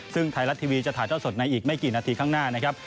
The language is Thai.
ซึ่งไทยรัฐทีวีจะถ่ายเท่าสดในอีกไม่กี่นาทีข้างหน้านะครับ